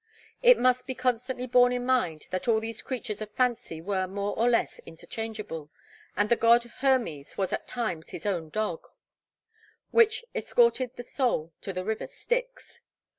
It must be constantly borne in mind that all these creatures of fancy were more or less interchangeable, and the god Hermes was at times his own dog, which escorted the soul to the river Styx.